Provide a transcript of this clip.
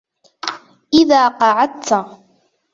إذَا قَعَدْت